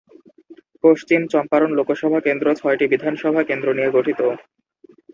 পশ্চিম চম্পারণ লোকসভা কেন্দ্র ছয়টি বিধানসভা কেন্দ্র নিয়ে গঠিত।